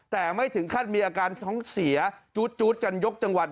แต่ไม่ถึงขั้นมีอาการท้องเสียจู๊ดกันยกจังหวัด